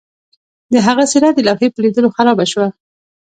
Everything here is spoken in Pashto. د هغه څیره د لوحې په لیدلو خرابه شوه